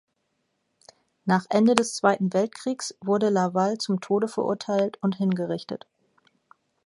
Nach Ende des Zweiten Weltkriegs wurde Laval zum Tode verurteilt und hingerichtet.